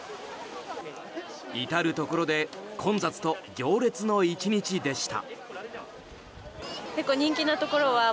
至るところで混雑と行列の１日でした。